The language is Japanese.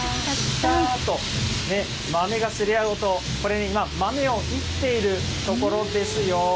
豆がすり合う音、これ今、豆をいっているところですよ。